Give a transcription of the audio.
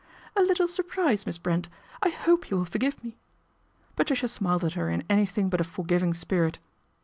" A little surprise, Miss Brent ; I hope you will forgive me." Patricia smiled at her in anything but a for giving spirit.